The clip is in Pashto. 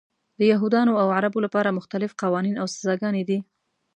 د یهودانو او عربو لپاره مختلف قوانین او سزاګانې دي.